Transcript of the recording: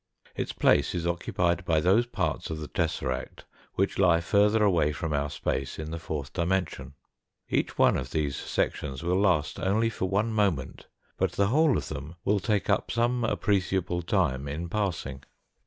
Its place is occupied by those parts of the tesseract which lie further away from our space in the fourth dimension. Each one of these sections will last only for one moment, but the whole of them will take up some appreciable time in passing.